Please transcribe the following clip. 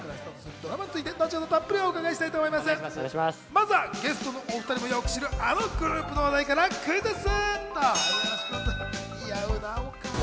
まずはゲストのお２人をよく知るあのグループの話題からクイズッス。